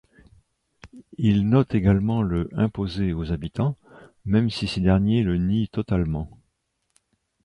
Il note également le imposé aux habitants, même si ces derniers le nient totalement.